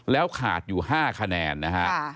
แล้วขาดอยู่ห้าคะแนนนะครับ